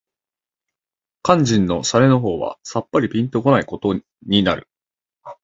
肝腎の洒落の方はさっぱりぴんと来ないことになる